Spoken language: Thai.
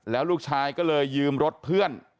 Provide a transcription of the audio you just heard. แล้วลูกชายก็เลยยืมรถเพื่อน